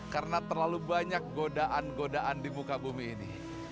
karena terlalu banyak godaan godaan di muka bumi ini